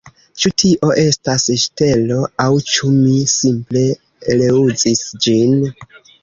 Ĉu tio estas ŝtelo aŭ ĉu mi simple reuzis ĝin